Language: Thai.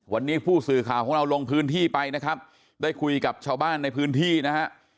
วันนี้ผู้สื่อข่าวของเราลงพื้นที่ไปนะครับได้คุยกับชาวบ้านในพื้นที่นะฮะ